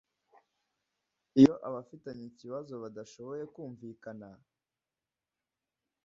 Iyo abafitanye ikibazo badashoboye kumvikana